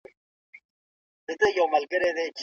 که په کمپیوټر کې کیبورډ نه وي نو لیکل ګرانېږي.